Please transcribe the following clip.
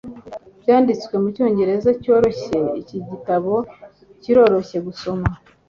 Byanditswe mucyongereza cyoroshye iki gitabo kiroroshye gusoma